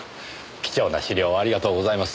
貴重な資料をありがとうございます。